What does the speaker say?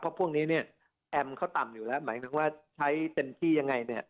เพราะพวกนี้เนี่ยแอมเขาต่ำอยู่แล้วหมายถึงว่าใช้เต็มที่ยังไงเนี่ย